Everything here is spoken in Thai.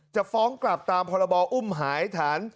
จะฟ้องกลับตามพรบอุ้มหายฐาน